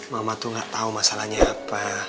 mama tuh gak tau masalahnya apa